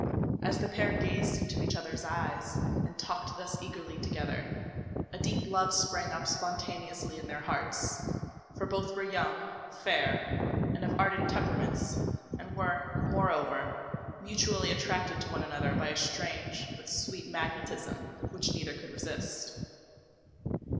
As the pair gazed into each other's eyes and talked thus eagerly together, a deep love sprang up spontaneously in their hearts; for both were young, fair, and of ardent temperaments, and were, moreover, mutually attracted to one another by a strange, but sweet magnetism which neither could resist.